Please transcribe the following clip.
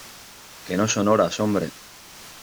que no son horas, hombre.